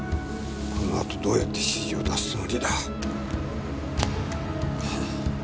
このあとどうやって指示を出すつもりだ？